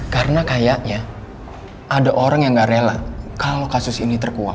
karena kayaknya ada orang yang gak rela kalo kasus ini terkuap